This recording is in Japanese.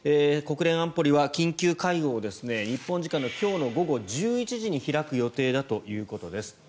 国連安保理は緊急会合を日本時間の今日午後１１時に開く予定だということです。